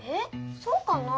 そうかな。